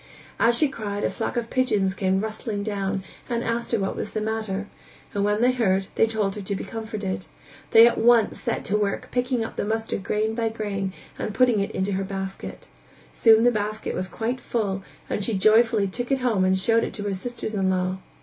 As she cried a flock of pigeons came rustling down and asked her what was the matter, and when they heard, they told her to be comforted; they at once set to work picking up the mustard grain by grain and putting it into her basket; soon the basket was quite full and she joyfully took it home and showed it to her sisters in law.